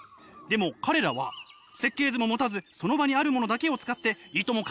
でも彼らは設計図も持たずその場にあるものだけを使っていとも